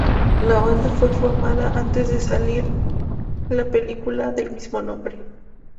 La banda fue formada antes de salir la película del mismo nombre.